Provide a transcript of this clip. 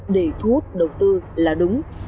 để thu hút đầu tư là đúng